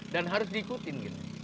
dan harus diikutin